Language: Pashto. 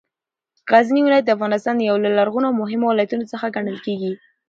غزنې ولایت د افغانستان یو له لرغونو او مهمو ولایتونو څخه ګڼل کېږې